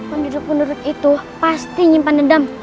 penduduk penduduk itu pasti nyimpan dendam